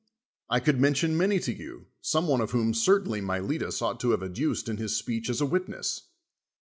I could mention many to you, some one of whom certainly Miletus ought to have ad duced in his speech as a witness.